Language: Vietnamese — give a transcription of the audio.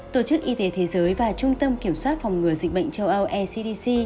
tổ chức y tế thế giới và trung tâm kiểm soát phòng ngừa dịch bệnh châu âu ecdc